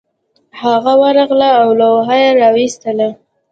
هغه ورغله او لوحه یې راویستله